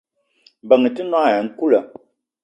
Mbeng i te noong ayi nkoula.